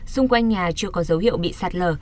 xung quanh nhà chưa có dấu hiệu bị sạt lở